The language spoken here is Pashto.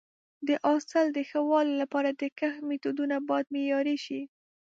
د حاصل د ښه والي لپاره د کښت میتودونه باید معیاري شي.